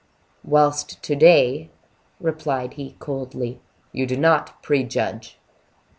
"Whilst to day," replied he, coldly, "you do not prejudge."